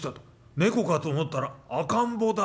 猫かと思ったら赤ん坊だ。